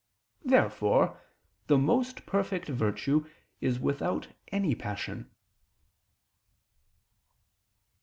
Therefore the most perfect virtue is without any passion.